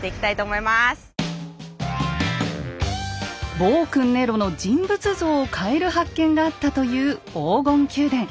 暴君ネロの人物像を変える発見があったという黄金宮殿。